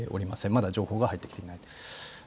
まだ情報は入ってきていないです。